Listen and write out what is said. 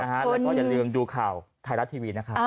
แล้วก็อย่าลืมดูข่าวไทยรัฐทีวีนะครับ